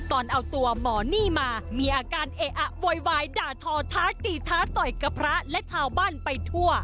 ตอนเอาตัวหมอนี่มามีอาการเออะโวยวายด่าทอท้าตีท้าต่อยกับพระและชาวบ้านไปทั่ว